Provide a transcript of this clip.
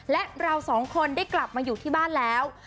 และเราสองคนได้กลับมาอยู่ที่บ้านแล้ว